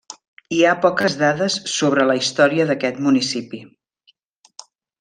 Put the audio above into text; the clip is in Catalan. Hi ha poques dades sobre la història d'aquest municipi.